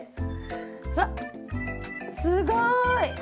うわっすごい！